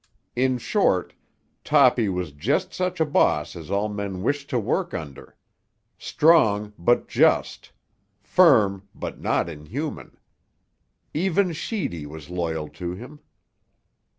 In short, Toppy was just such a boss as all men wished to work under—strong but just, firm but not inhuman. Even Sheedy was loyal to him.